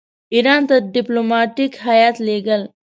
ایران ته ډیپلوماټیک هیات لېږل.